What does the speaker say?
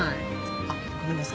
あっごめんなさい。